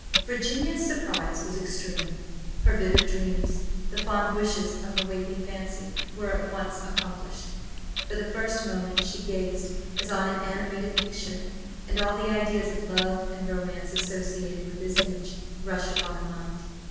Virginia's surprise was extreme; her vivid dreams, the fond wishes of her waking fancy, were at once accomplished. For the first moment she gazed as on an animated picture, and all the ideas of love and romance associated with this image rushed upon her mind.